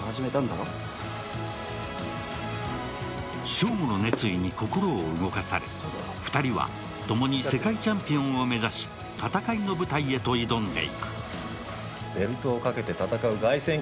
翔吾の熱意に心を動かされ、２人はともに世界チャンピオンを目指し、戦いの舞台へと挑んでいく。